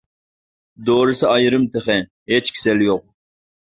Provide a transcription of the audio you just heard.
دورىسى ئايرىم تېخى، ھېچ كېسەل يوق.